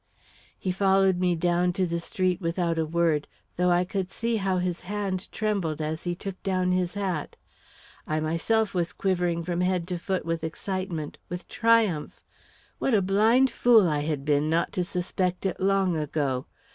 He followed me down to the street without a word, though I could see how his hand trembled as he took down his hat. I myself was quivering from head to foot with excitement with triumph. What a blind fool I had been not to suspect it long ago.